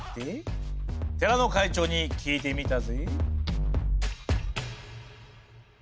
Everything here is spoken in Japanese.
寺の会長に聞いてみたぜ。